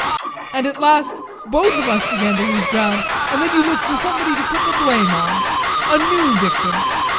And at last both of us began to lose ground. And then you looked for somebody to put the blame on. A new victim!